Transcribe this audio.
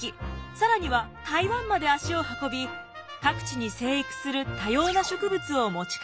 更には台湾まで足を運び各地に生育する多様な植物を持ち帰りました。